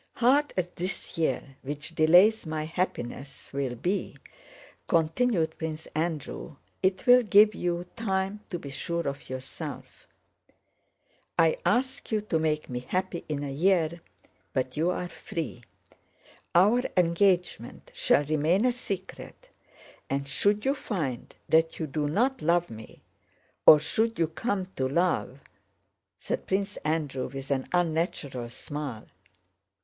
"Hard as this year which delays my happiness will be," continued Prince Andrew, "it will give you time to be sure of yourself. I ask you to make me happy in a year, but you are free: our engagement shall remain a secret, and should you find that you do not love me, or should you come to love..." said Prince Andrew with an unnatural smile.